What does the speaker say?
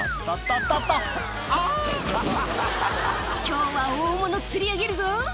「今日は大物釣り上げるぞ」